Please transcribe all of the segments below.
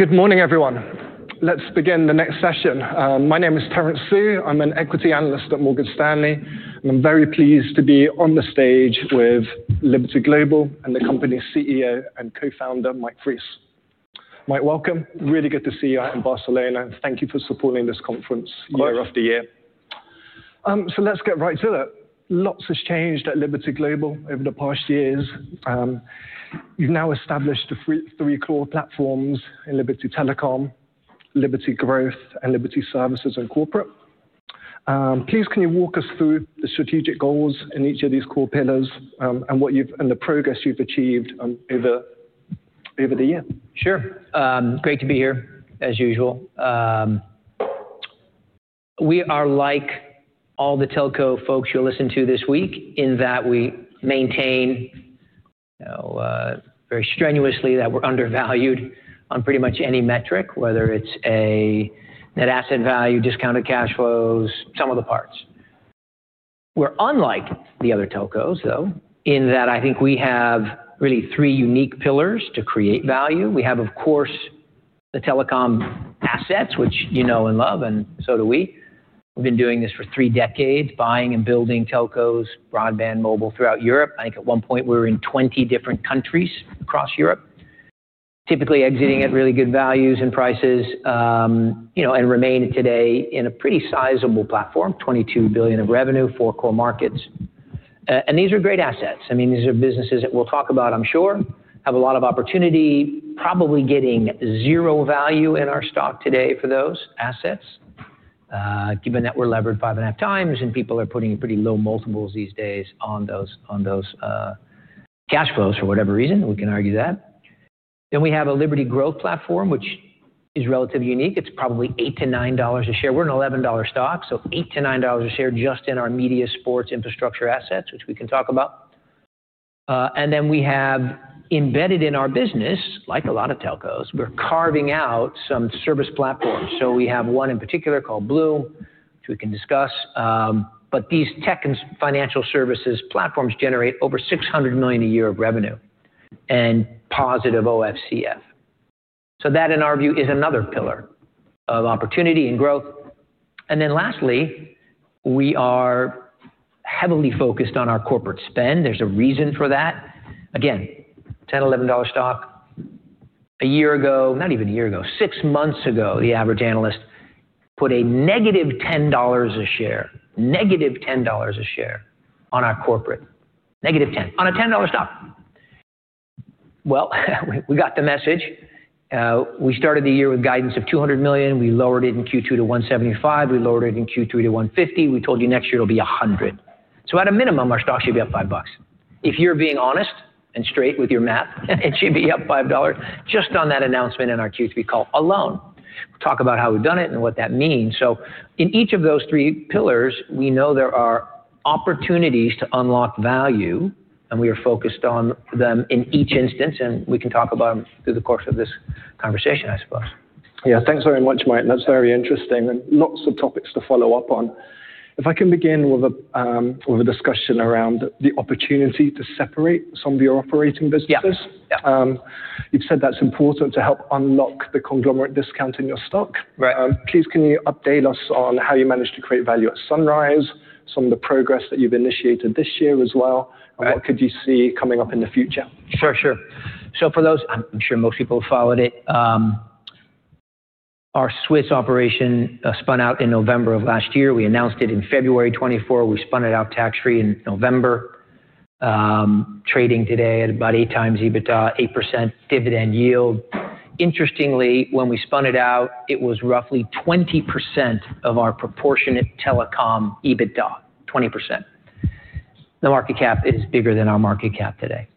Good morning, everyone. Let's begin the next session. My name is Terence Tsui. I'm an Equity Analyst at Morgan Stanley, and I'm very pleased to be on the stage with Liberty Global and the company's CEO and Co-Founder, Mike Fries. Mike, welcome. Really good to see you out in Barcelona, and thank you for supporting this conference year after year. Let's get right to it. Lots has changed at Liberty Global over the past years. You've now established the three core platforms in Liberty Telecom, Liberty Growth, and Liberty Services and Corporate. Please, can you walk us through the strategic goals in each of these core pillars and the progress you've achieved over the year? Sure. Great to be here, as usual. We are like all the telco folks you'll listen to this week in that we maintain very strenuously that we're undervalued on pretty much any metric, whether it's net asset value, discounted cash flows, some of the parts. We're unlike the other telcos, though, in that I think we have really three unique pillars to create value. We have, of course, the telecom assets, which you know and love, and so do we. We've been doing this for three decades, buying and building telcos, broadband, mobile throughout Europe. I think at one point we were in 20 different countries across Europe, typically exiting at really good values and prices and remaining today in a pretty sizable platform, $22 billion of revenue, four core markets. And these are great assets. I mean, these are businesses that we'll talk about, I'm sure, have a lot of opportunity, probably getting zero value in our stock today for those assets, given that we're levered 5.5x and people are putting pretty low multiples these days on those cash flows for whatever reason. We can argue that. We have a Liberty Growth platform, which is relatively unique. It's probably $8-$9 a share. We're an $11 stock, so $8-$9 a share just in our media sports infrastructure assets, which we can talk about. We have embedded in our business, like a lot of telcos, we're carving out some service platforms. We have one in particular called Blume, which we can discuss. These tech and financial services platforms generate over $600 million a year of revenue and positive OFCF. That, in our view, is another pillar of opportunity and growth. Lastly, we are heavily focused on our corporate spend. There is a reason for that. Again, $10, $11 stock. A year ago, not even a year ago, six months ago, the average analyst put a negative $10 a share, negative $10 a share on our corporate. Negative $10 on a $10 stock. We got the message. We started the year with guidance of $200 million. We lowered it in Q2 to $175 million. We lowered it in Q3 to $150 million. We told you next year it will be $100 million. At a minimum, our stock should be up $5. If you are being honest and straight with your math, it should be up $5 just on that announcement in our Q3 call alone. We will talk about how we have done it and what that means. In each of those three pillars, we know there are opportunities to unlock value, and we are focused on them in each instance, and we can talk about them through the course of this conversation, I suppose. Yeah, thanks very much, Mike. That's very interesting and lots of topics to follow up on. If I can begin with a discussion around the opportunity to separate some of your operating businesses. You've said that's important to help unlock the conglomerate discount in your stock. Please, can you update us on how you managed to create value at Sunrise, some of the progress that you've initiated this year as well, and what could you see coming up in the future? Sure, sure. For those, I'm sure most people followed it. Our Swiss operation spun out in November of last year. We announced it in February 2024. We spun it out tax-free in November. Trading today at about 8x EBITDA, 8% dividend yield. Interestingly, when we spun it out, it was roughly 20% of our proportionate telecom EBITDA, 20%. The market cap is bigger than our market cap today.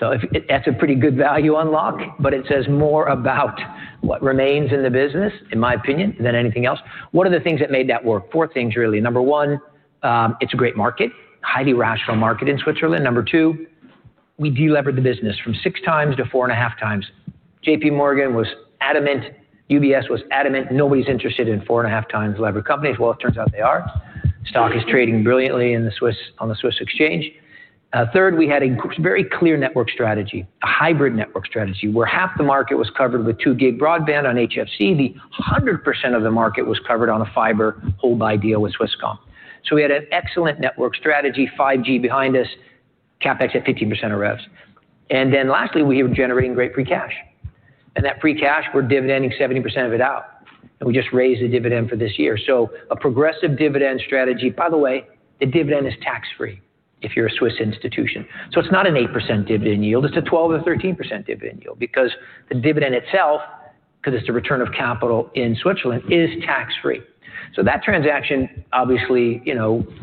That is a pretty good value unlock, but it says more about what remains in the business, in my opinion, than anything else. What are the things that made that work? Four things, really. Number one, it is a great market, highly rational market in Switzerland. Number two, we delevered the business from 6x to 4.5x. J.P. Morgan was adamant, UBS was adamant, nobody is interested in 4.5x levered companies. It turns out they are. Stock is trading brilliantly on the Swiss exchange. Third, we had a very clear network strategy, a hybrid network strategy, where half the market was covered with 2Gig broadband on HFC. The 100% of the market was covered on a fiber hold-by deal with Swisscom. We had an excellent network strategy, 5G behind us, CapEx at 15% of revs. Lastly, we were generating great free cash. That free cash, we're dividending 70% of it out. We just raised the dividend for this year. A progressive dividend strategy, by the way, the dividend is tax-free if you're a Swiss institution. It is not an 8% dividend yield. It is a 12% or 13% dividend yield because the dividend itself, because it is the return of capital in Switzerland, is tax-free. That transaction obviously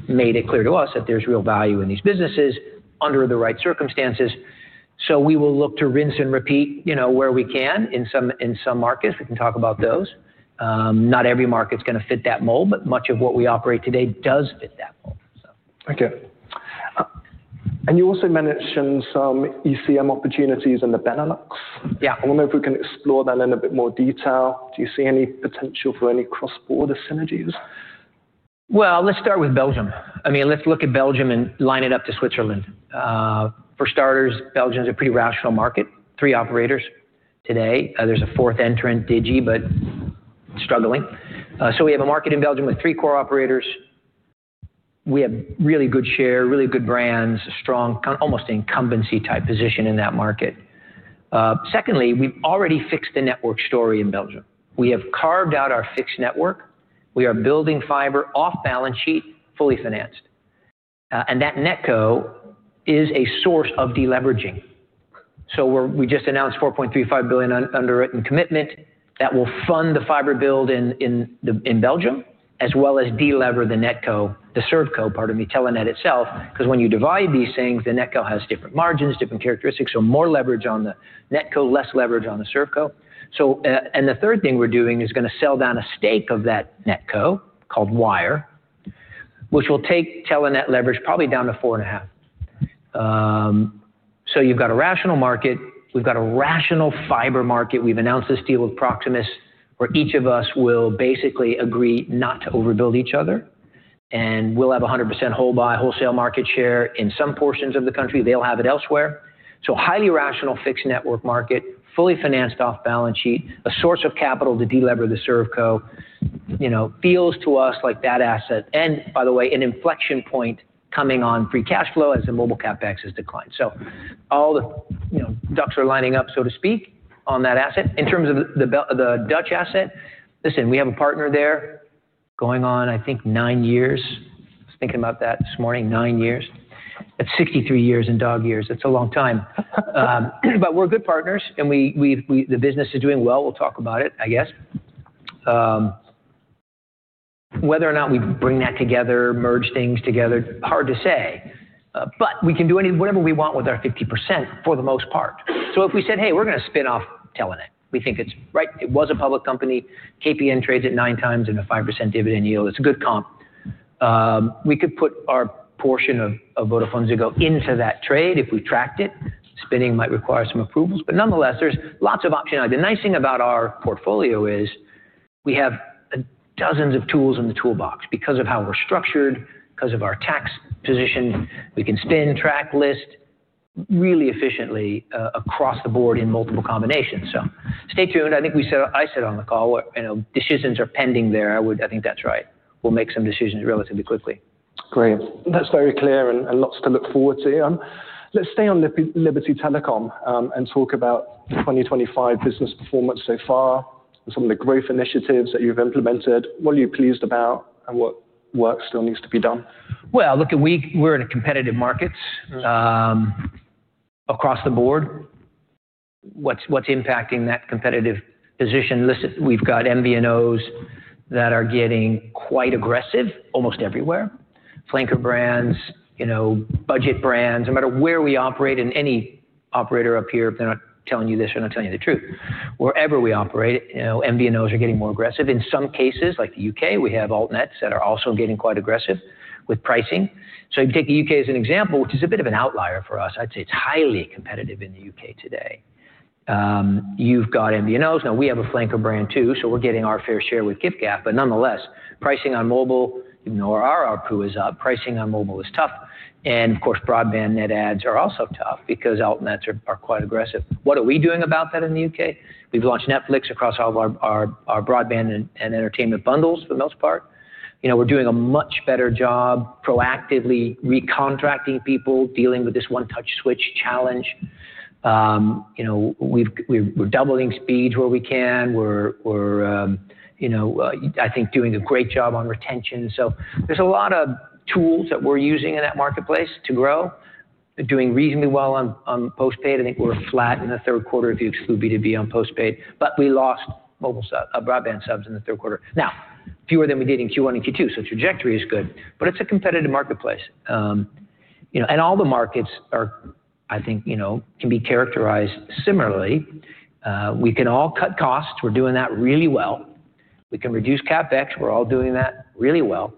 made it clear to us that there's real value in these businesses under the right circumstances. We will look to rinse and repeat where we can in some markets. We can talk about those. Not every market's going to fit that mold, but much of what we operate today does fit that mold. Okay. You also mentioned some ECM opportunities in the Benelux. I wonder if we can explore that in a bit more detail. Do you see any potential for any cross-border synergies? Let's start with Belgium. I mean, let's look at Belgium and line it up to Switzerland. For starters, Belgium is a pretty rational market, three operators today. There's a fourth entrant, Digi, but struggling. We have a market in Belgium with three core operators. We have really good share, really good brands, strong, almost incumbency-type position in that market. Secondly, we've already fixed the network story in Belgium. We have carved out our fixed network. We are building fiber off-balance sheet, fully financed. That netco is a source of deleveraging. We just announced $4.35 billion underwritten commitment that will fund the fiber build in Belgium, as well as delever the netco, the servco, pardon me, Telenet itself. Because when you divide these things, the netco has different margins, different characteristics. More leverage on the netco, less leverage on the servco. The third thing we're doing is going to sell down a stake of that netco called Wyre, which will take Telenet leverage probably down to 4.5x. You have a rational market. We have a rational fiber market. We have announced this deal with Proximus, where each of us will basically agree not to overbuild each other. We will have 100% whole-buy, wholesale market share in some portions of the country. They will have it elsewhere. Highly rational fixed network market, fully financed off-balance sheet, a source of capital to delever the servco feels to us like that asset. By the way, an inflection point is coming on free cash flow as the mobile CapEx has declined. All the ducks are lining up, so to speak, on that asset. In terms of the Dutch asset, listen, we have a partner there going on, I think, nine years. I was thinking about that this morning, nine years. That is 63 years in dog years. That is a long time. We are good partners, and the business is doing well. We will talk about it, I guess. Whether or not we bring that together, merge things together, hard to say. We can do whatever we want with our 50% for the most part. If we said, "Hey, we are going to spin off Telenet," we think it is right. It was a public company. KPN trades at 9x in a 5% dividend yield. It is a good comp. We could put our portion of VodafoneZiggo into that trade if we tracked it. Spinning might require some approvals. Nonetheless, there is lots of optionality. The nice thing about our portfolio is we have dozens of tools in the toolbox because of how we're structured, because of our tax position. We can spin, track, list really efficiently across the board in multiple combinations. Stay tuned. I think I said on the call, decisions are pending there. I think that's right. We'll make some decisions relatively quickly. Great. That's very clear and lots to look forward to. Let's stay on Liberty Telecom and talk about 2025 business performance so far and some of the growth initiatives that you've implemented. What are you pleased about and what work still needs to be done? Look, we're in a competitive market across the board. What's impacting that competitive position? Listen, we've got MVNOs that are getting quite aggressive almost everywhere. Flanker brands, budget brands, no matter where we operate in any operator up here, if they're not telling you this, they're not telling you the truth. Wherever we operate, MVNOs are getting more aggressive. In some cases, like the U.K., we have Altnets that are also getting quite aggressive with pricing. You take the U.K. as an example, which is a bit of an outlier for us. I'd say it's highly competitive in the U.K. today. You've got MVNOs. Now, we have a Flanker brand too, so we're getting our fair share with Giffgaff. Nonetheless, pricing on mobile, even though our RPU is up, pricing on mobile is tough. Of course, broadband net adds are also tough because Altnets are quite aggressive. What are we doing about that in the U.K.? We have launched Netflix across all of our broadband and entertainment bundles for the most part. We are doing a much better job proactively recontracting people, dealing with this one-touch switch challenge. We are doubling speeds where we can. I think we are doing a great job on retention. There are a lot of tools that we are using in that marketplace to grow. We are doing reasonably well on postpaid. I think we are flat in the third quarter if you exclude B2B on postpaid. We lost broadband subs in the third quarter, now fewer than we did in Q1 and Q2. Trajectory is good, but it is a competitive marketplace. All the markets, I think, can be characterized similarly. We can all cut costs. We are doing that really well. We can reduce CapEx. We're all doing that really well.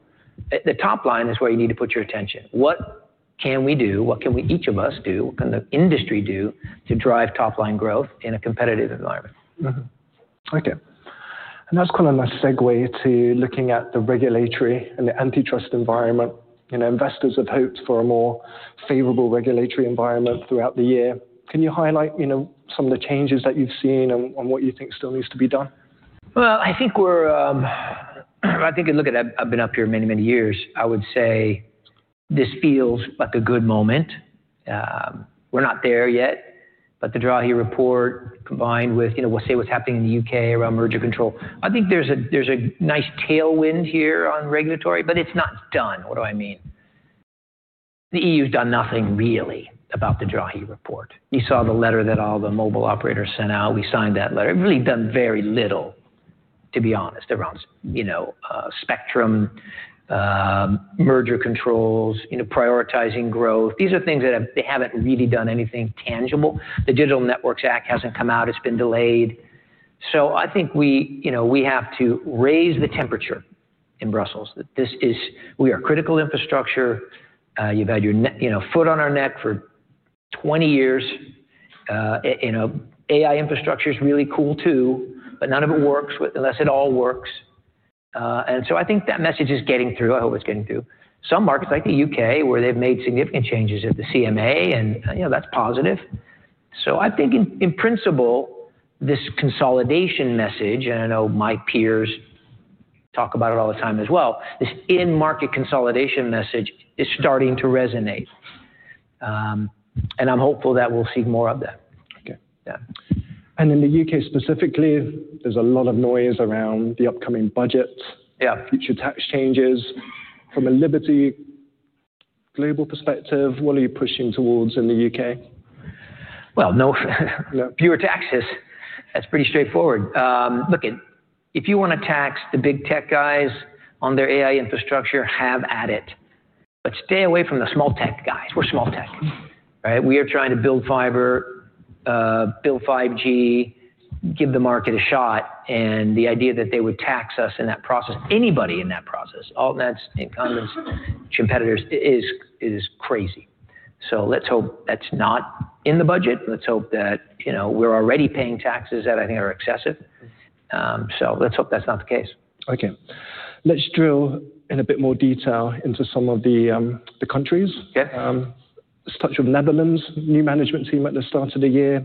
The top line is where you need to put your attention. What can we do? What can each of us do? What can the industry do to drive top-line growth in a competitive environment? Okay. That is kind of a segue to looking at the regulatory and the antitrust environment. Investors have hoped for a more favorable regulatory environment throughout the year. Can you highlight some of the changes that you have seen and what you think still needs to be done? I think I've been up here many, many years. I would say this feels like a good moment. We're not there yet, but the Draghi report combined with, we'll say what's happening in the U.K. around merger control, I think there's a nice tailwind here on regulatory, but it's not done. What do I mean? The EU's done nothing really about the Draghi report. You saw the letter that all the mobile operators sent out. We signed that letter. We've really done very little, to be honest, around spectrum, merger controls, prioritizing growth. These are things that they haven't really done anything tangible. The Digital Networks Act hasn't come out. It's been delayed. I think we have to raise the temperature in Brussels. We are critical infrastructure. You've had your foot on our neck for 20 years. AI infrastructure is really cool too, but none of it works unless it all works. I think that message is getting through. I hope it's getting through. Some markets like the U.K., where they've made significant changes at the CMA, and that's positive. I think in principle, this consolidation message, and I know my peers talk about it all the time as well, this in-market consolidation message is starting to resonate. I'm hopeful that we'll see more of that. Okay. In the U.K. specifically, there is a lot of noise around the upcoming budget, future tax changes. From a Liberty Global perspective, what are you pushing towards in the U.K.? No fewer taxes. That's pretty straightforward. Look, if you want to tax the big tech guys on their AI infrastructure, have at it. But stay away from the small tech guys. We're small tech. We are trying to build fiber, build 5G, give the market a shot. The idea that they would tax us in that process, anybody in that process, Altnets, incumbents, competitors, is crazy. Let's hope that's not in the budget. Let's hope that we're already paying taxes that I think are excessive. Let's hope that's not the case. Okay. Let's drill in a bit more detail into some of the countries. Let's touch on the Netherlands' new management team at the start of the year.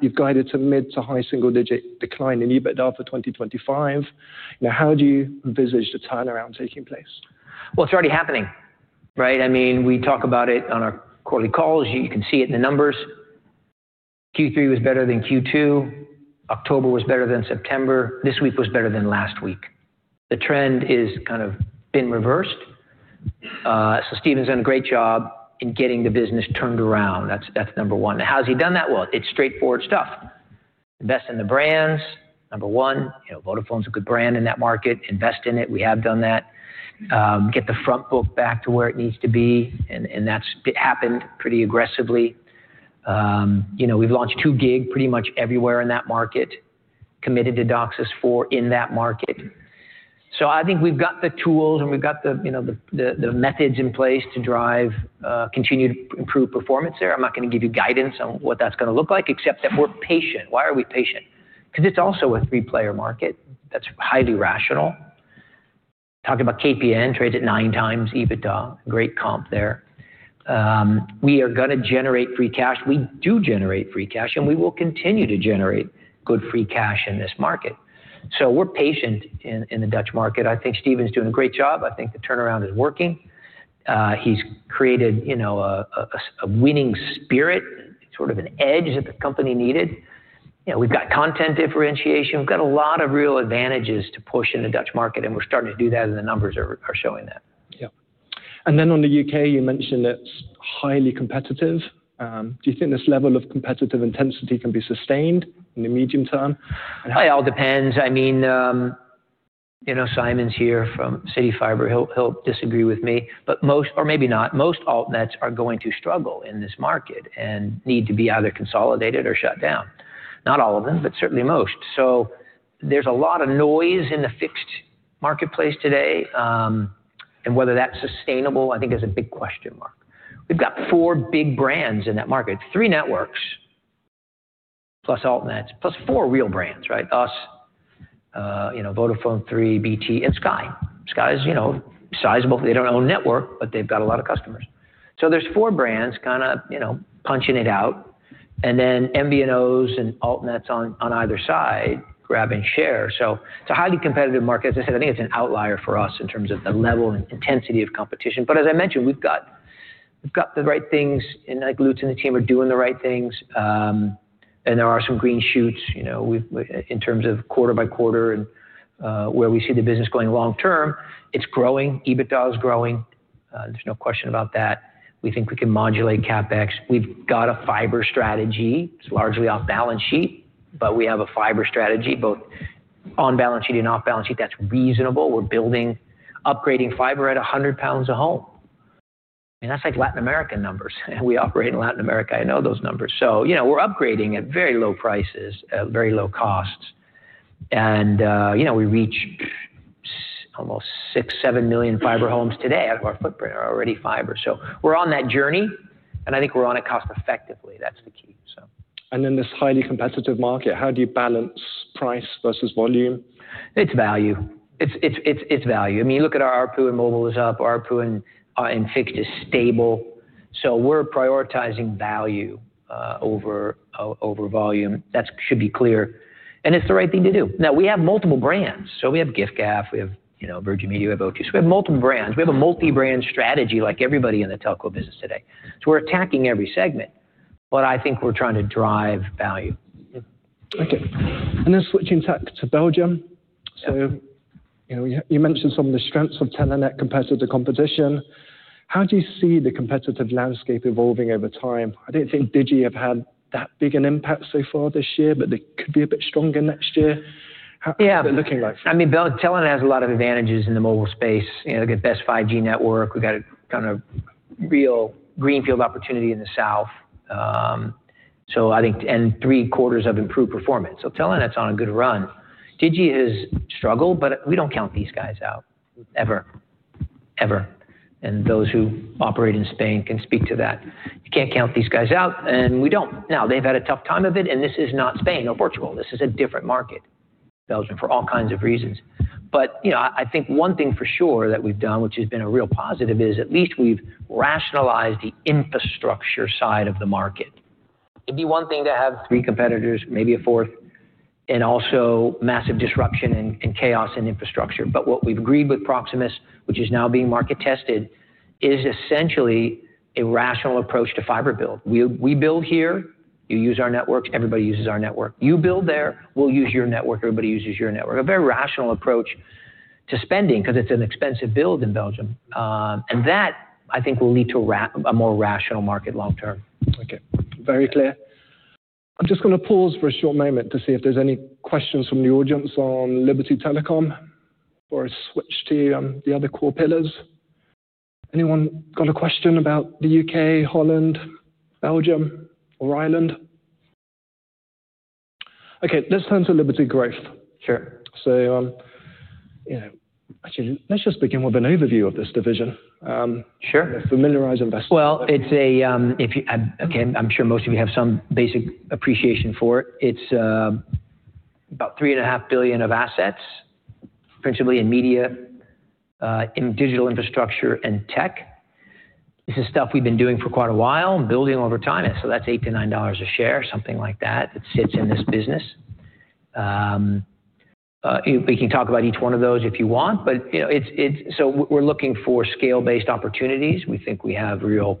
You've guided to mid to high single-digit decline in EBITDA for 2025. Now, how do you envisage the turnaround taking place? It is already happening. I mean, we talk about it on our quarterly calls. You can see it in the numbers. Q3 was better than Q2. October was better than September. This week was better than last week. The trend has kind of been reversed. Stephen's done a great job in getting the business turned around. That is number one. How has he done that? It is straightforward stuff. Invest in the brands, number one. Vodafone is a good brand in that market. Invest in it. We have done that. Get the front book back to where it needs to be. That has happened pretty aggressively. We have launched 2Gig pretty much everywhere in that market, committed to DOCSIS 4 in that market. I think we have got the tools and we have got the methods in place to drive continued improved performance there. I'm not going to give you guidance on what that's going to look like, except that we're patient. Why are we patient? Because it's also a three-player market. That's highly rational. Talking about KPN, trades at 9x EBITDA. Great comp there. We are going to generate free cash. We do generate free cash, and we will continue to generate good free cash in this market. We are patient in the Dutch market. I think Stephen's doing a great job. I think the turnaround is working. He's created a winning spirit, sort of an edge that the company needed. We've got content differentiation. We've got a lot of real advantages to push in the Dutch market, and we're starting to do that, and the numbers are showing that. Yeah. And then on the U.K., you mentioned it's highly competitive. Do you think this level of competitive intensity can be sustained in the medium term? It all depends. I mean, Simon's here from CityFibre. He'll disagree with me, but most, or maybe not, most Altnets are going to struggle in this market and need to be either consolidated or shut down. Not all of them, but certainly most. There is a lot of noise in the fixed marketplace today. Whether that's sustainable, I think, is a big question mark. We've got four big brands in that market, three networks, plus altnets, plus four real brands, right? Us, Vodafone 3, BT, and Sky. Sky is sizable. They do not own network, but they've got a lot of customers. There are four brands kind of punching it out. Then MVNOs and Altnets on either side grabbing share. It is a highly competitive market. As I said, I think it is an outlier for us in terms of the level and intensity of competition. As I mentioned, we've got the right things, and Lutz and the team are doing the right things. There are some green shoots in terms of quarter by quarter and where we see the business going long term. It's growing. EBITDA is growing. There's no question about that. We think we can modulate CapEx. We've got a fiber strategy. It's largely off-balance sheet, but we have a fiber strategy, both on-balance sheet and off-balance sheet. That's reasonable. We're upgrading fiber at 100 pounds a home. That's like Latin American numbers. We operate in Latin America. I know those numbers. We're upgrading at very low prices, very low costs. We reach almost 6 million-7 million fiber homes today out of our footprint are already fiber. We're on that journey, and I think we're on it cost-effectively. That's the key, so. In this highly competitive market, how do you balance price versus volume? It's value. It's value. I mean, look at our ARPU in Mobile is up. ARPU in Fixed is stable. We are prioritizing value over volume. That should be clear. It's the right thing to do. We have multiple brands. We have Giffgaff. We have Virgin Media. We have O2. We have multiple brands. We have a multi-brand strategy like everybody in the telco business today. We are attacking every segment, but I think we are trying to drive value. Okay. And then switching back to Belgium. You mentioned some of the strengths of Telenet compared to the competition. How do you see the competitive landscape evolving over time? I do not think Digi have had that big an impact so far this year, but they could be a bit stronger next year. How's it looking like for you? Yeah. I mean, Telenet has a lot of advantages in the mobile space. We've got best 5G network. We've got a kind of real greenfield opportunity in the south. I think, and three quarters of improved performance. Telenet's on a good run. Digi has struggled, but we don't count these guys out ever, ever. Those who operate in Spain can speak to that. You can't count these guys out, and we don't. They've had a tough time of it, and this is not Spain or Portugal. This is a different market, Belgium, for all kinds of reasons. I think one thing for sure that we've done, which has been a real positive, is at least we've rationalized the infrastructure side of the market. It'd be one thing to have three competitors, maybe a fourth, and also massive disruption and chaos in infrastructure. What we've agreed with Proximus, which is now being market tested, is essentially a rational approach to fiber build. We build here. You use our network. Everybody uses our network. You build there. We'll use your network. Everybody uses your network. A very rational approach to spending because it's an expensive build in Belgium. That, I think, will lead to a more rational market long term. Okay. Very clear. I'm just going to pause for a short moment to see if there's any questions from the audience on Liberty Global before I switch to the other core pillars. Anyone got a question about the U.K., Holland, Belgium, or Ireland? Okay. Let's turn to Liberty Growth. Sure. Actually, let's just begin with an overview of this division. Sure. Familiarize investors. It is a, okay, I'm sure most of you have some basic appreciation for it. It is about $3.5 billion of assets, principally in media, in digital infrastructure and tech. This is stuff we've been doing for quite a while and building over time. That is $8-$9 a share, something like that, that sits in this business. We can talk about each one of those if you want, but it is, we are looking for scale-based opportunities. We think we have real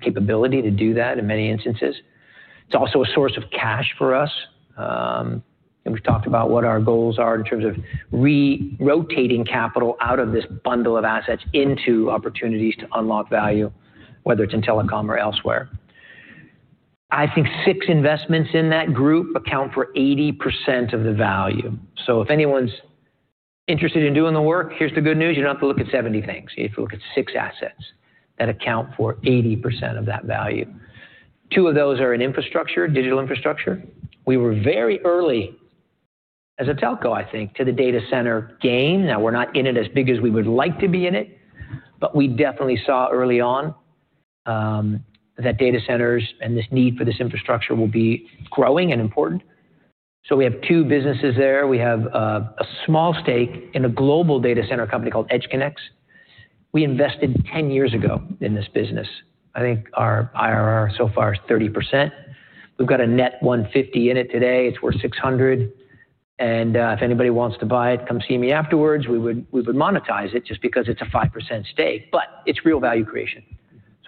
capability to do that in many instances. It is also a source of cash for us. We have talked about what our goals are in terms of re-rotating capital out of this bundle of assets into opportunities to unlock value, whether it is in telecom or elsewhere. I think six investments in that group account for 80% of the value. If anyone's interested in doing the work, here's the good news. You don't have to look at 70 things. You have to look at six assets that account for 80% of that value. Two of those are in infrastructure, digital infrastructure. We were very early as a telco, I think, to the data center game. Now, we're not in it as big as we would like to be in it, but we definitely saw early on that data centers and this need for this infrastructure will be growing and important. We have two businesses there. We have a small stake in a global data center company called EdgeConneX. We invested 10 years ago in this business. I think our IRR so far is 30%. We've got a net $150 million in it today. It's worth $600 million. If anybody wants to buy it, come see me afterwards. We would monetize it just because it's a 5% stake, but it's real value creation.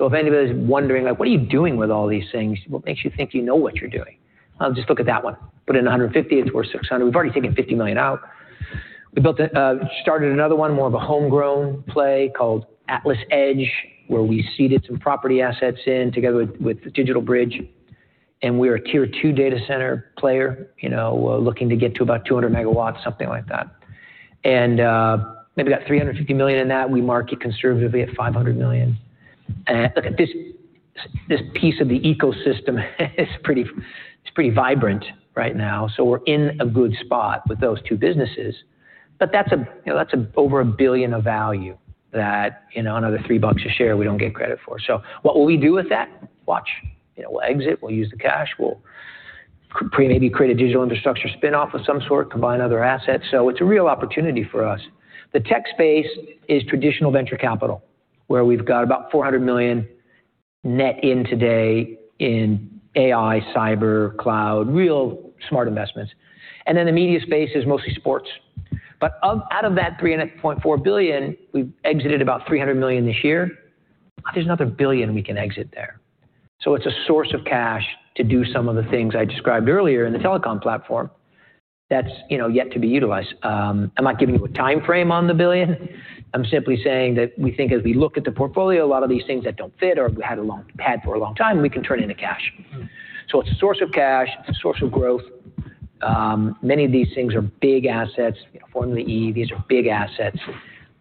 If anybody's wondering, like, what are you doing with all these things? What makes you think you know what you're doing? Just look at that one. Put in $150 million. It's worth $600 million. We've already taken $50 million out. We started another one, more of a homegrown play called AtlasEdge, where we seeded some property assets in together with Digital Bridge. We are a tier two data center player, looking to get to about 200 MW, something like that. Maybe got $350 million in that. We market conservatively at $500 million. Look at this piece of the ecosystem. It's pretty vibrant right now. We are in a good spot with those two businesses. That's over $1 billion of value that another $3 a share we don't get credit for. What will we do with that? Watch. We will exit. We will use the cash. We will maybe create a digital infrastructure spinoff of some sort, combine other assets. It is a real opportunity for us. The tech space is traditional venture capital, where we have got about $400 million net in today in AI, cyber, cloud, real smart investments. The media space is mostly sports. Out of that $3.4 billion, we have exited about $300 million this year. There is another $1 billion we can exit there. It is a source of cash to do some of the things I described earlier in the telecom platform that is yet to be utilized. I am not giving you a timeframe on the $1 billion. I'm simply saying that we think as we look at the portfolio, a lot of these things that do not fit or we had a long pad for a long time, we can turn into cash. It is a source of cash. It is a source of growth. Many of these things are big assets. Formula E, these are big assets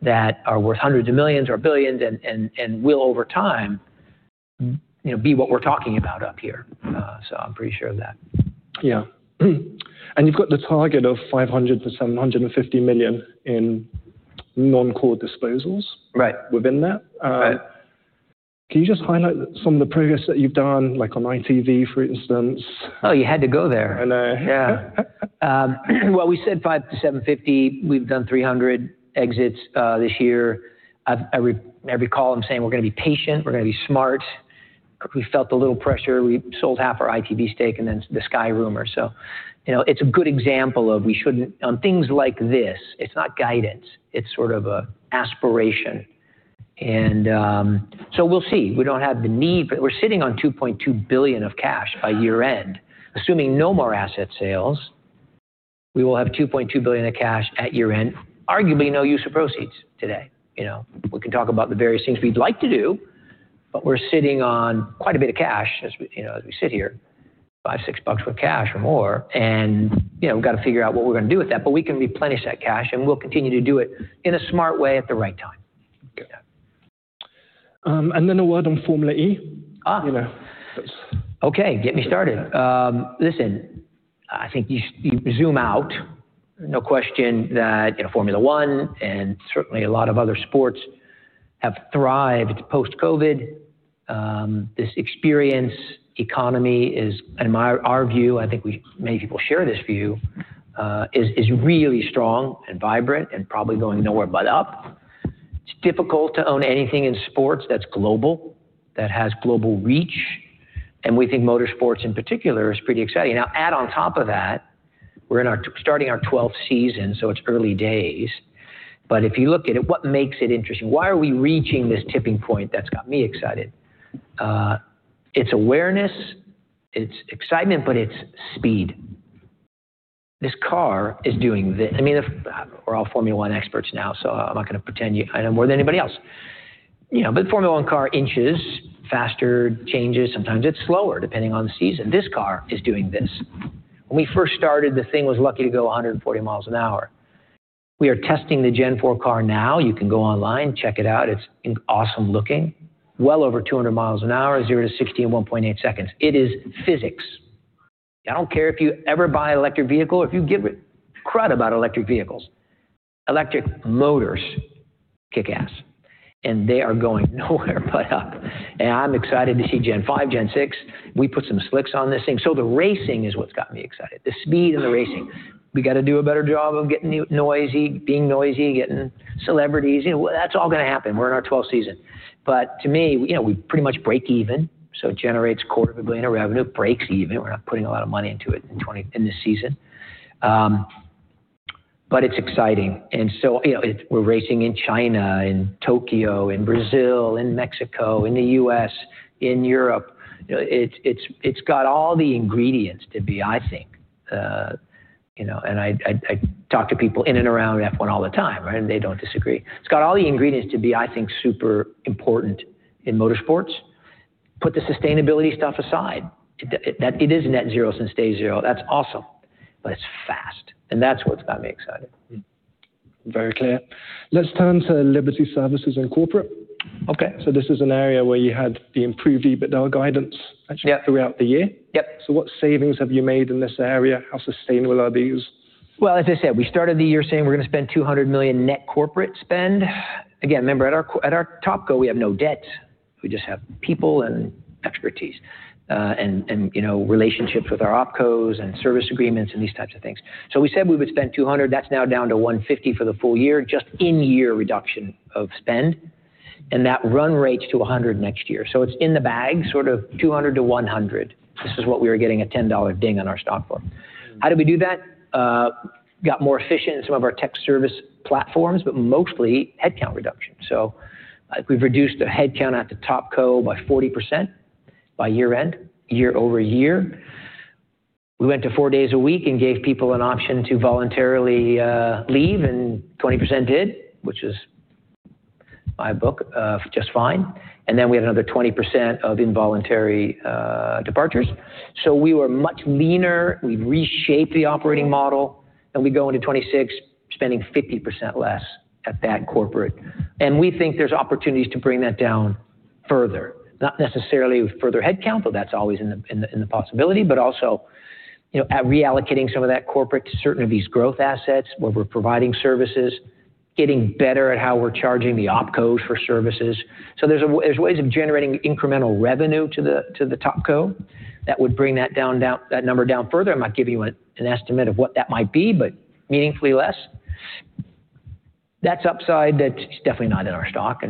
that are worth hundreds of millions or billions and will over time be what we are talking about up here. I am pretty sure of that. Yeah. You have got the target of $500 million-$750 million in non-core disposals within that. Can you just highlight some of the progress that you have done, like on ITV, for instance? Oh, you had to go there. I know. Yeah. We said $500 million-$750 million. We've done $300 million exits this year. I recall him saying, "We're going to be patient. We're going to be smart." We felt a little pressure. We sold half our ITV stake and then the Sky rumor. It's a good example of we shouldn't, on things like this, it's not guidance. It's sort of an aspiration. We'll see. We don't have the need, but we're sitting on $2.2 billion of cash by year-end. Assuming no more asset sales, we will have $2.2 billion of cash at year-end, arguably no use of proceeds today. We can talk about the various things we'd like to do, but we're sitting on quite a bit of cash as we sit here, $5, $6 with cash or more. We have got to figure out what we are going to do with that, but we can replenish that cash, and we will continue to do it in a smart way at the right time. Okay. And then a word on Formula E. Okay. Get me started. Listen, I think you zoom out. No question that Formula One and certainly a lot of other sports have thrived post-COVID. This experience economy is, in our view, I think many people share this view, is really strong and vibrant and probably going nowhere but up. It's difficult to own anything in sports that's global, that has global reach. We think motorsports in particular is pretty exciting. Now, add on top of that, we're starting our 12th season, so it's early days. If you look at it, what makes it interesting? Why are we reaching this tipping point that's got me excited? It's awareness. It's excitement, but it's speed. This car is doing this. I mean, we're all Formula One experts now, so I'm not going to pretend I know more than anybody else. The Formula One car inches faster, changes. Sometimes it's slower depending on the season. This car is doing this. When we first started, the thing was lucky to go 140 mi an hour. We are testing the GEN4 car now. You can go online, check it out. It's awesome looking. Well over 200 mi an hour, 0 to 60 in 1.8 seconds. It is physics. I don't care if you ever buy an electric vehicle or if you give a crud about electric vehicles. Electric motors kick ass, and they are going nowhere but up. I'm excited to see GEN5, GEN6. We put some slicks on this thing. The racing is what's got me excited. The speed and the racing. We got to do a better job of getting noisy, being noisy, getting celebrities. That's all going to happen. We're in our 12th season. To me, we pretty much break even. It generates quarterly revenue, breaks even. We're not putting a lot of money into it in this season. It is exciting. We are racing in China, in Tokyo, in Brazil, in Mexico, in the U.S., in Europe. It has all the ingredients to be, I think. I talk to people in and around F1 all the time, and they do not disagree. It has all the ingredients to be, I think, super important in motorsports. Put the sustainability stuff aside. It is net zero since day zero. That is awesome, but it is fast. That is what has got me excited. Very clear. Let's turn to Liberty Services and Corporate. This is an area where you had the improved EBITDA guidance actually throughout the year. What savings have you made in this area? How sustainable are these? As I said, we started the year saying we're going to spend $200 million net corporate spend. Again, remember, at our top co, we have no debt. We just have people and expertise and relationships with our OpCos and service agreements and these types of things. We said we would spend $200 million. That is now down to $150 million for the full year, just in-year reduction of spend. That run rates to $100 million next year. It is in the bag, sort of $200 million to $100 million. This is what we were getting a $10 ding on our stock for. How did we do that? Got more efficient in some of our tech service platforms, but mostly headcount reduction. We have reduced the headcount at the top co by 40% by year-end, year over year. We went to four days a week and gave people an option to voluntarily leave, and 20% did, which is, in my book, just fine. We had another 20% of involuntary departures. We were much leaner. We reshaped the operating model, and we go into 2026 spending 50% less at that corporate. We think there are opportunities to bring that down further. Not necessarily with further headcount, though that is always in the possibility, but also at reallocating some of that corporate to certain of these growth assets where we are providing services, getting better at how we are charging the opcos for services. There are ways of generating incremental revenue to the top co that would bring that number down further. I am not giving you an estimate of what that might be, but meaningfully less. That is upside that is definitely not in our stock.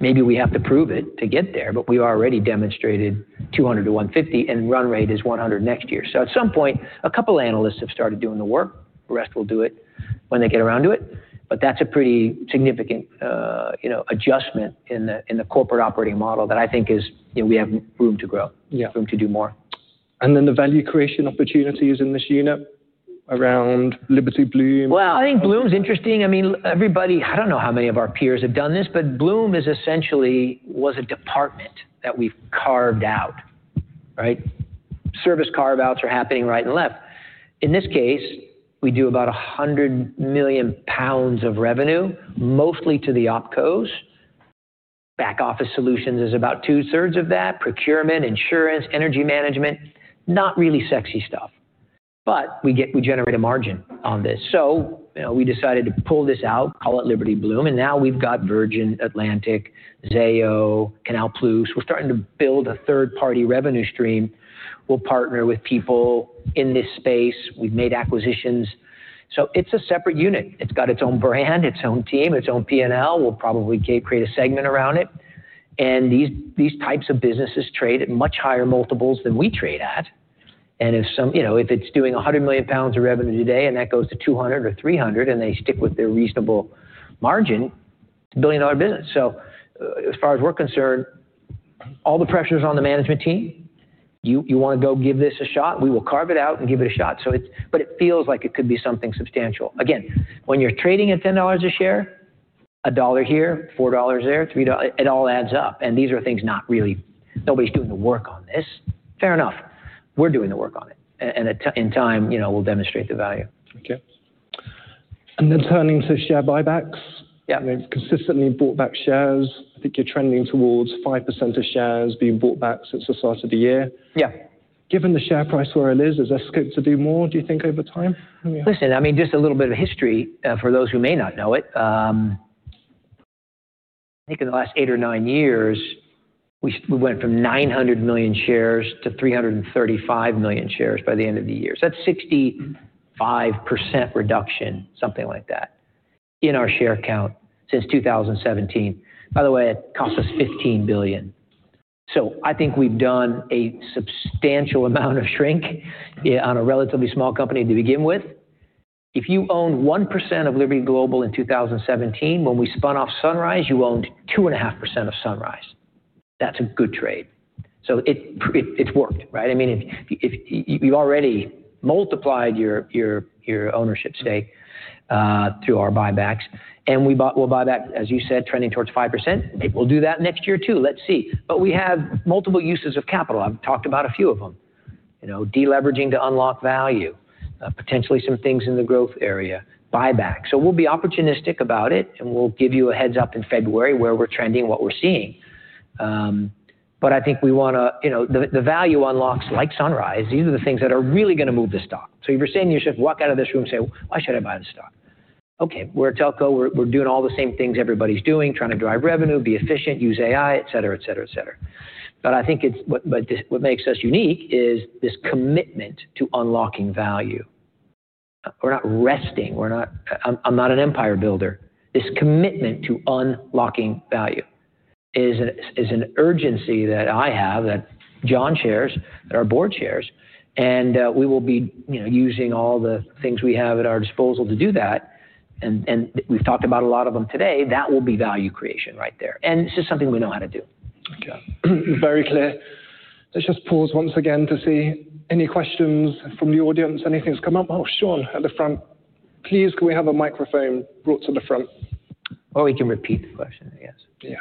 Maybe we have to prove it to get there, but we've already demonstrated $200 million-$150 million, and run rate is $100 million next year. At some point, a couple of analysts have started doing the work. The rest will do it when they get around to it. That is a pretty significant adjustment in the corporate operating model that I think we have room to grow, room to do more. The value creation opportunities in this unit around Liberty Blume. I think Blume's interesting. I mean, everybody, I don't know how many of our peers have done this, but Blume essentially was a department that we've carved out, right? Service carve-outs are happening right and left. In this case, we do about 100 million pounds of revenue, mostly to the OpCos. Back office solutions is about two-thirds of that. Procurement, insurance, energy management, not really sexy stuff. We generate a margin on this. We decided to pull this out, call it Liberty Bloom. Now we've got Virgin Atlantic, Zayo, Canal Plus. We're starting to build a third-party revenue stream. We'll partner with people in this space. We've made acquisitions. It's a separate unit. It's got its own brand, its own team, its own P&L. We'll probably create a segment around it. These types of businesses trade at much higher multiples than we trade at. If it is doing 100 million pounds of revenue today and that goes to 200 million or 300 million and they stick with their reasonable margin, it is a billion-dollar business. As far as we are concerned, all the pressure is on the management team. You want to go give this a shot. We will carve it out and give it a shot. It feels like it could be something substantial. Again, when you are trading at $10 a share, a dollar here, $4 there, it all adds up. These are things not really nobody is doing the work on this. Fair enough. We are doing the work on it. In time, we will demonstrate the value. Okay. And then turning to share buybacks. You've consistently bought back shares. I think you're trending towards 5% of shares being bought back since the start of the year. Given the share price where it is, is there scope to do more, do you think, over time? Listen, I mean, just a little bit of history for those who may not know it. I think in the last eight or nine years, we went from 900 million shares to 335 million shares by the end of the year. That's a 65% reduction, something like that, in our share count since 2017. By the way, it cost us $15 billion. I think we've done a substantial amount of shrink on a relatively small company to begin with. If you owned 1% of Liberty Global in 2017, when we spun off Sunrise, you owned 2.5% of Sunrise. That's a good trade. It's worked, right? I mean, you've already multiplied your ownership stake through our buybacks. We'll buy back, as you said, trending towards 5%. We'll do that next year too. Let's see. We have multiple uses of capital. I've talked about a few of them. Deleveraging to unlock value, potentially some things in the growth area, buyback. We will be opportunistic about it, and we will give you a heads-up in February where we are trending, what we are seeing. I think we want to, the value unlocks like Sunrise. These are the things that are really going to move the stock. If you are saying to yourself, "Walk out of this room and say, 'Why should I buy this stock?'" Okay. We are a telco. We are doing all the same things everybody is doing, trying to drive revenue, be efficient, use AI, etc., etc., etc. I think what makes us unique is this commitment to unlocking value. We are not resting. I am not an empire builder. This commitment to unlocking value is an urgency that I have, that John shares, that our Board shares. We will be using all the things we have at our disposal to do that. We have talked about a lot of them today. That will be value creation right there. This is something we know how to do. Okay. Very clear. Let's just pause once again to see any questions from the audience. Anything's come up? Oh, Sean at the front. Please, can we have a microphone brought to the front? Or we can repeat the question, I guess. Yeah.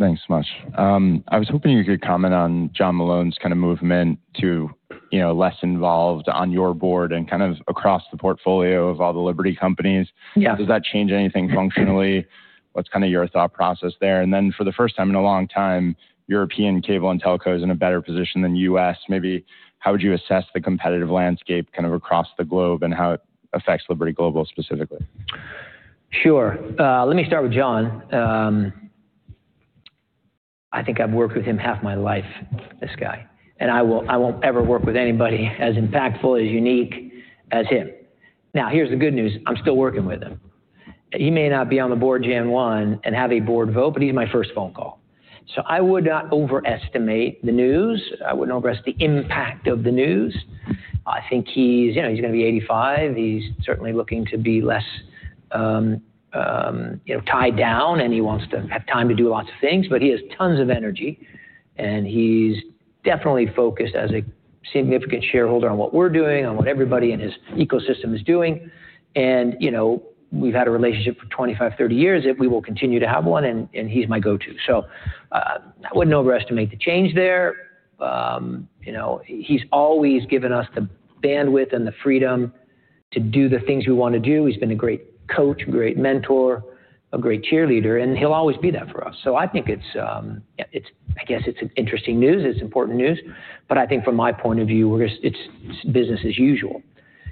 Thanks so much. I was hoping you could comment on John Malone's kind of movement to less involved on your board and kind of across the portfolio of all the Liberty companies. Does that change anything functionally? What's kind of your thought process there? For the first time in a long time, European cable and telcos in a better position than U.S.. Maybe how would you assess the competitive landscape kind of across the globe and how it affects Liberty Global specifically? Sure. Let me start with John. I think I've worked with him half my life, this guy. I won't ever work with anybody as impactful, as unique as him. Now, here's the good news. I'm still working with him. He may not be on the board January 1 and have a board vote, but he's my first phone call. I would not overestimate the news. I wouldn't overestimate the impact of the news. I think he's going to be 85. He's certainly looking to be less tied down, and he wants to have time to do lots of things. He has tons of energy, and he's definitely focused as a significant shareholder on what we're doing, on what everybody in his ecosystem is doing. We've had a relationship for 25, 30 years. We will continue to have one, and he's my go-to. I would not overestimate the change there. He has always given us the bandwidth and the freedom to do the things we want to do. He has been a great coach, a great mentor, a great cheerleader, and he will always be that for us. I think it is, I guess it is interesting news. It is important news. I think from my point of view, it is business as usual.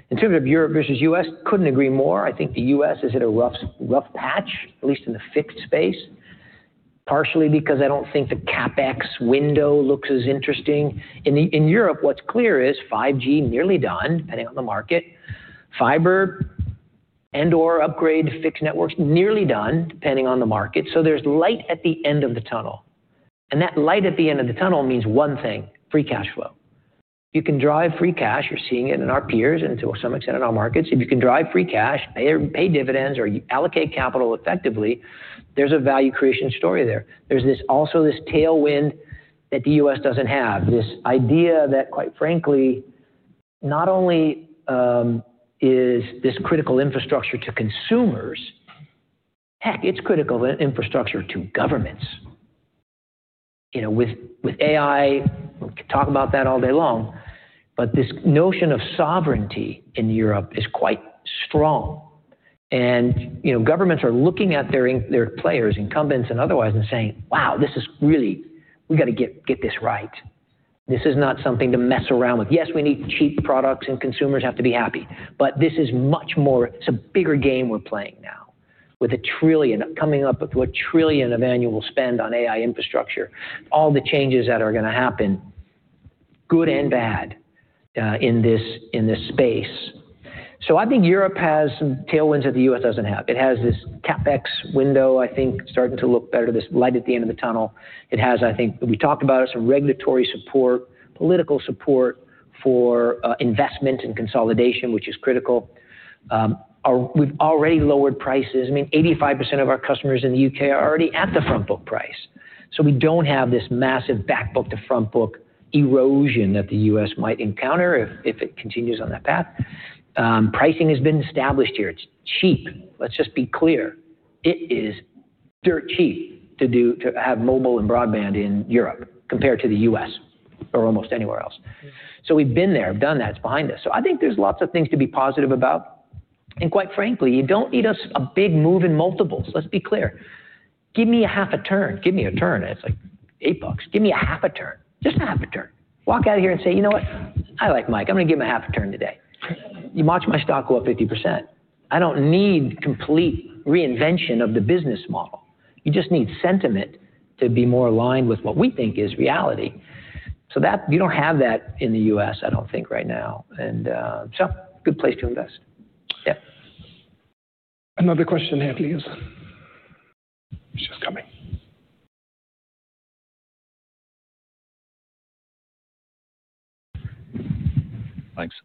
In terms of Europe versus U.S., could not agree more. I think the U.S. is at a rough patch, at least in the fixed space, partially because I do not think the CapEx window looks as interesting. In Europe, what is clear is 5G nearly done, depending on the market. Fiber and/or upgrade, fixed networks, nearly done, depending on the market. There is light at the end of the tunnel. That light at the end of the tunnel means one thing: free cash flow. You can drive free cash. You're seeing it in our peers and to some extent in our markets. If you can drive free cash, pay dividends, or allocate capital effectively, there's a value creation story there. There's also this tailwind that the U.S. doesn't have, this idea that, quite frankly, not only is this critical infrastructure to consumers, heck, it's critical infrastructure to governments. With AI, we can talk about that all day long, but this notion of sovereignty in Europe is quite strong. Governments are looking at their players, incumbents and otherwise, and saying, "Wow, this is really we got to get this right. This is not something to mess around with." Yes, we need cheap products, and consumers have to be happy. This is much more, it is a bigger game we are playing now with a trillion, coming up with a trillion of annual spend on AI infrastructure, all the changes that are going to happen, good and bad, in this space. I think Europe has some tailwinds that the U.S. does not have. It has this CapEx window, I think, starting to look better, this light at the end of the tunnel. It has, I think we talked about it, some regulatory support, political support for investment and consolidation, which is critical. We have already lowered prices. I mean, 85% of our customers in the U.K. are already at the front book price. We do not have this massive back book to front book erosion that the U.S. might encounter if it continues on that path. Pricing has been established here. It is cheap. Let us just be clear. It is dirt cheap to have mobile and broadband in Europe compared to the U.S. or almost anywhere else. We have been there. We have done that. It is behind us. I think there are lots of things to be positive about. Quite frankly, you do not need a big move in multiples. Let us be clear. Give me half a turn. Give me a turn. It is like $8. Give me half a turn. Just half a turn. Walk out of here and say, "You know what? I like Mike. I am going to give him half a turn today. You watch my stock go up 50%." I do not need complete reinvention of the business model. You just need sentiment to be more aligned with what we think is reality. You do not have that in the U.S., I do not think, right now. Good place to invest. Yeah. Another question here, please. It's just coming. Thanks.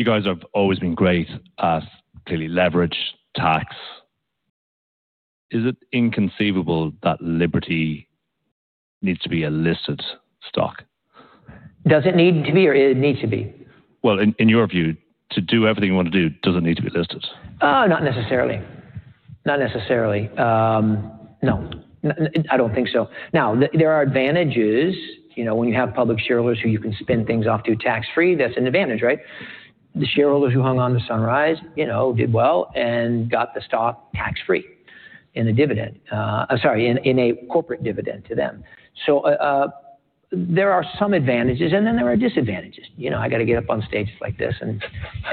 You guys have always been great at clearly leverage, tax. Is it inconceivable that Liberty needs to be a listed stock? Does it need to be or it needs to be? In your view, to do everything you want to do, does it need to be listed? Oh, not necessarily. Not necessarily. No. I don't think so. Now, there are advantages. When you have public shareholders who you can spin things off to tax-free, that's an advantage, right? The shareholders who hung on to Sunrise did well and got the stock tax-free in a dividend, sorry, in a corporate dividend to them. There are some advantages, and then there are disadvantages. I got to get up on stages like this and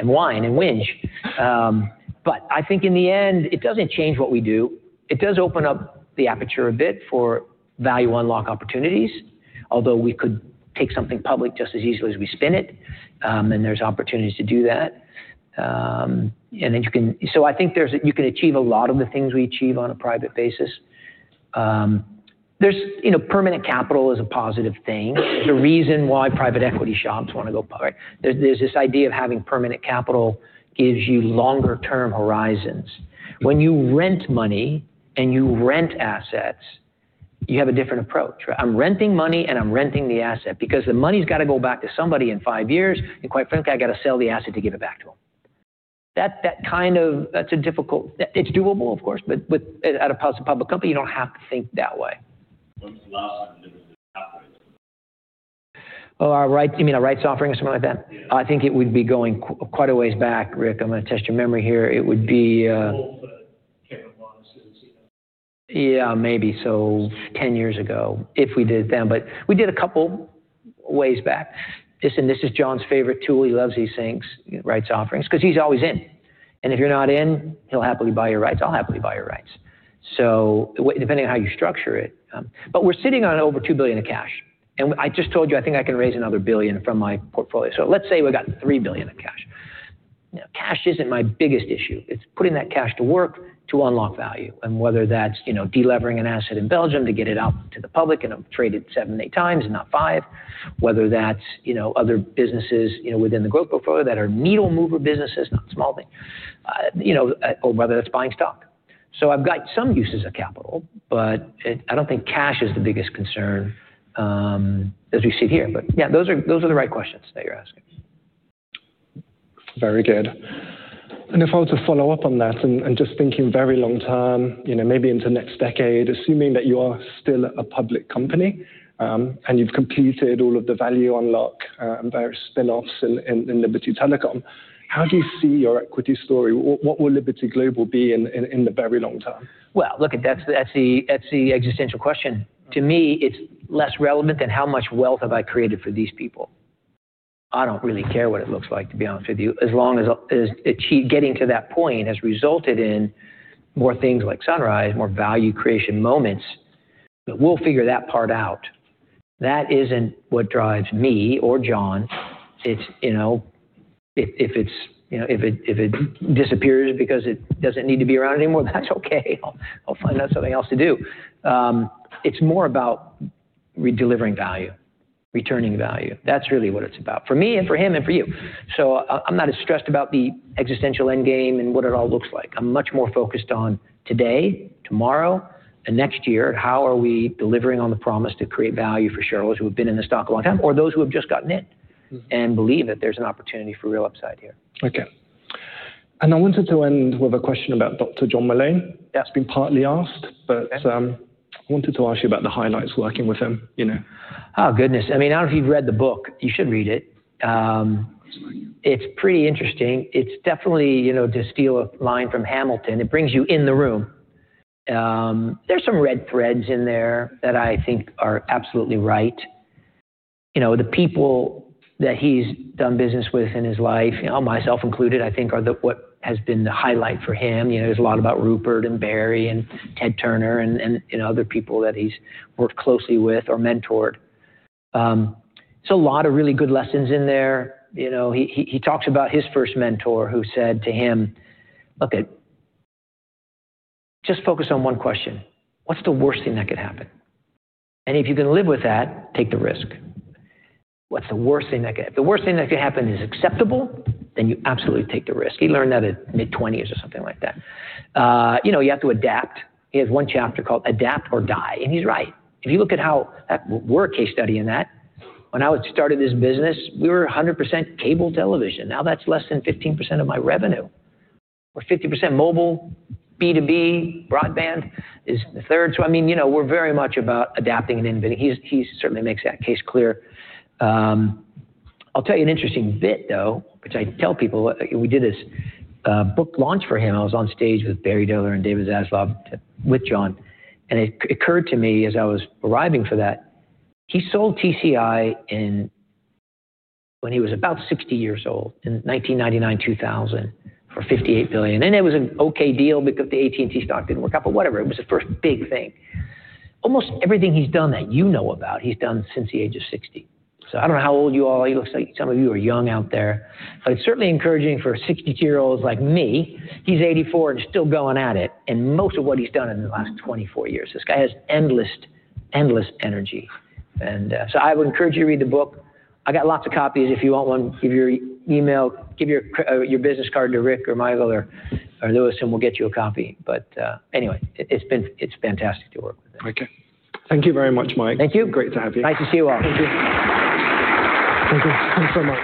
whine and whinge. I think in the end, it doesn't change what we do. It does open up the aperture a bit for value unlock opportunities, although we could take something public just as easily as we spin it. There are opportunities to do that. I think you can achieve a lot of the things we achieve on a private basis. There's permanent capital as a positive thing. There's a reason why private equity shops want to go public. There's this idea of having permanent capital gives you longer-term horizons. When you rent money and you rent assets, you have a different approach. I'm renting money, and I'm renting the asset because the money's got to go back to somebody in five years. And quite frankly, I got to sell the asset to give it back to them. That kind of that's a difficult, it's doable, of course, but at a public company, you don't have to think that way. What's the last time Liberty operated? Oh, you mean a Wright's Offering or something like that? Yeah. I think it would be going quite a ways back, Rick. I'm going to test your memory here. It would be. All the capital losses. Yeah, maybe 10 years ago if we did it then. But we did a couple ways back. Listen, this is John's favorite tool. He loves these things, rights offerings, because he's always in. And if you're not in, he'll happily buy your rights. I'll happily buy your rights. So depending on how you structure it. But we're sitting on over $2 billion of cash. And I just told you I think I can raise another $1 billion from my portfolio. So let's say we got $3 billion of cash. Cash isn't my biggest issue. It's putting that cash to work to unlock value. And whether that's delivering an asset in Belgium to get it out to the public and trade it 7x, 8x and not 5x, whether that's other businesses within the growth portfolio that are needle-mover businesses, not small things, or whether that's buying stock. I've got some uses of capital, but I don't think cash is the biggest concern as we sit here. Yeah, those are the right questions that you're asking. Very good. If I were to follow up on that and just thinking very long term, maybe into next decade, assuming that you are still a public company and you have completed all of the value unlock and various spin-offs in Liberty Telecom, how do you see your equity story? What will Liberty Global be in the very long term? That is the existential question. To me, it is less relevant than how much wealth have I created for these people. I do not really care what it looks like, to be honest with you, as long as getting to that point has resulted in more things like Sunrise, more value creation moments. We will figure that part out. That is not what drives me or John. If it disappears because it does not need to be around anymore, that is okay. I will find out something else to do. It is more about delivering value, returning value. That is really what it is about for me and for him and for you. I am not as stressed about the existential end game and what it all looks like. I am much more focused on today, tomorrow, and next year. How are we delivering on the promise to create value for shareholders who have been in the stock a long time or those who have just gotten in and believe that there's an opportunity for real upside here? Okay. I wanted to end with a question about Dr. John Malone. That's been partly asked, but I wanted to ask you about the highlights working with him. Oh, goodness. I mean, I don't know if you've read the book. You should read it. It's pretty interesting. It's definitely, to steal a line from Hamilton, it brings you in the room. There are some red threads in there that I think are absolutely right. The people that he's done business with in his life, myself included, I think are what has been the highlight for him. There's a lot about Rupert and Barry and Ted Turner and other people that he's worked closely with or mentored. There are a lot of really good lessons in there. He talks about his first mentor who said to him, "Look, just focus on one question. What's the worst thing that could happen? And if you can live with that, take the risk. What's the worst thing that could happen? If the worst thing that could happen is acceptable, then you absolutely take the risk. He learned that at mid-20s or something like that. You have to adapt. He has one chapter called Adapt or Die. He is right. If you look at how we are a case study in that. When I started this business, we were 100% cable television. Now that is less than 15% of my revenue. We are 50% mobile, B2B, broadband is the third. I mean, we are very much about adapting and inventing. He certainly makes that case clear. I will tell you an interesting bit, though, which I tell people. We did this book launch for him. I was on stage with Barry Diller and David Zaslav with John. It occurred to me as I was arriving for that. He sold TCI when he was about 60 years old in 1999, 2000 for $58 billion. It was an okay deal because the AT&T stock did not work out, but whatever. It was the first big thing. Almost everything he has done that you know about, he has done since the age of 60. I do not know how old you all are. Some of you are young out there. It is certainly encouraging for a 62-year-old like me. He is 84 and still going at it. Most of what he has done is in the last 24 years. This guy has endless, endless energy. I would encourage you to read the book. I got lots of copies. If you want one, give your email, give your business card to Rick or Michael or Lewis, and we will get you a copy. It is fantastic to work with him. Okay. Thank you very much, Mike. Thank you. Great to have you. Nice to see you all. Thank you. Thank you so much.